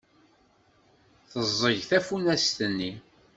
Teẓẓeg tafunast-nni.